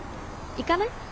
行かない？